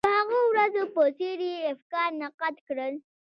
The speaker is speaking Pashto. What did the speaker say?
د هغو ورځو په څېر یې افکار نقد کړل.